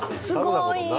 すごい。